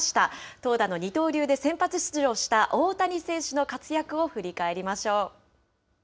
投打の二刀流で先発出場した大谷選手の活躍を振り返りましょう。